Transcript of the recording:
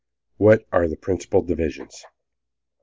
What are the principal divisions?"